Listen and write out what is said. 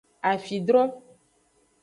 Afidro.